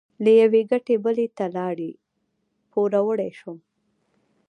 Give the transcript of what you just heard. له یوې ګټې بلې ته لاړې؛ پوروړی شوم.